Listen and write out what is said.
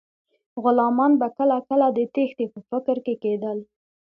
غلامان به کله کله د تیښتې په فکر کې کیدل.